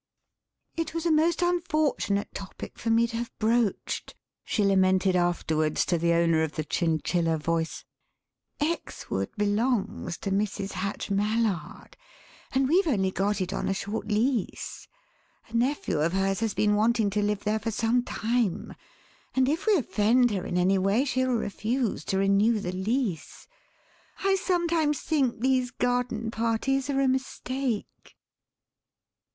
"It was a most unfortunate topic for me to have broached," she lamented afterwards to the owner of the chinchilla voice; "Exwood belongs to Mrs. Hatch Mallard, and we've only got it on a short lease. A nephew of hers has been wanting to live there for some time, and if we offend her in any way she'll refuse to renew the lease. I sometimes think these garden parties are a mistake."